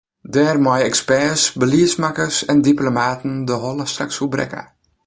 Dêr meie eksperts, beliedsmakkers en diplomaten de holle straks oer brekke.